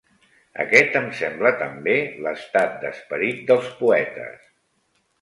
Aquest em sembla també l'estat d'esperit dels poetes.